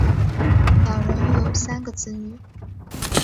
两人育有三个子女。